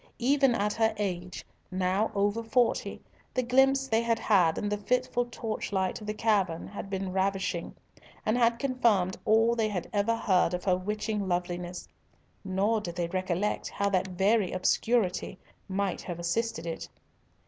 Even at her age, now over forty, the glimpse they had had in the fitful torchlight of the cavern had been ravishing, and had confirmed all they had ever heard of her witching loveliness; nor did they recollect how that very obscurity might have assisted it.